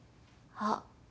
あっ！